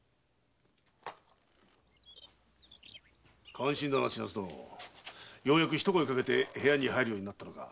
感心だな千奈津殿一声かけて部屋に入るようになったのか。